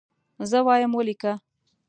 زه وایم ولیکه.